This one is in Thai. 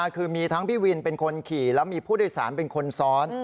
คือมีทั้งพี่วินเป็นคนขี่แล้วมีผู้โดยสารเป็นคนซ้อน